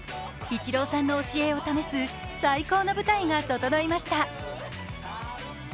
イチローさんの教えを試す最高の舞台が整いました。